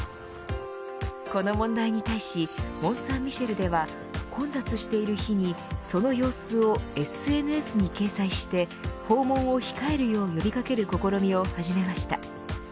この問題に対しモンサンミシェルでは混雑している日にその様子をＳＮＳに掲載して訪問を控えるよう呼び掛ける試みを始めました。